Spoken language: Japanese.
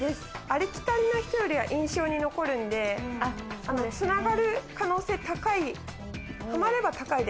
ありきたりな人よりは、印象に残るんで、つながる可能性は高い。